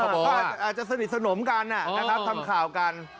บอกว่าอาจจะสนิทสนมกันนะครับทำข่าวกัน